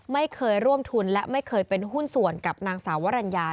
ไม่เคยร่วมทุนและไม่เคยเป็นหุ้นส่วนกับนางสาววรรณญา